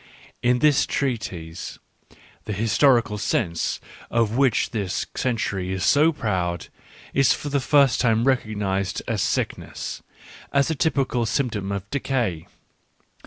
In this treatise, the " histori cal sense," of which this century is so proud, is for the first time recognised as sickness, as a typical symptom of decay.